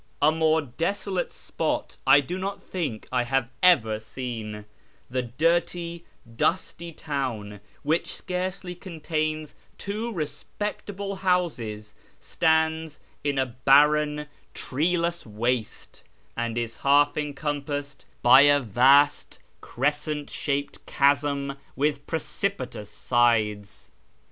A more desolate spot I do not think I have ever seen ; the dirty, dusty town, which scarcely contains two respectable houses, stands in a barren, treeless waste, and is half encompassed by a vast crescent 44 A YFAR AMONGST THE PERSIANS slia])ed cliiisiu with precipitous sides.